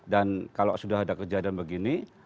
dan kalau sudah ada kejadian begini